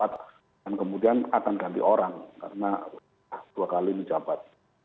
dan kemudian akan ganti orang karena dua kali ini jabat